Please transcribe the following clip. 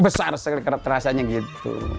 besar sekali terasanya gitu